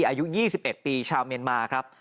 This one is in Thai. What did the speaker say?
อายุ๒๑ปีชาวเมียนมาครับ